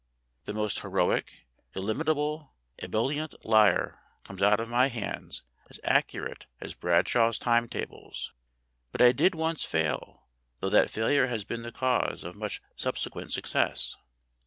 The most heroic, illimitable, ebullient liar comes out of my hands as accurate as Bradshaw's time tables. But I did once fail though that failure has been the cause of much subsequent success.